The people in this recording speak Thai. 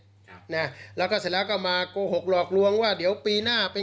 ครับนะแล้วก็เสร็จแล้วก็มาโกหกหลอกลวงว่าเดี๋ยวปีหน้าเป็น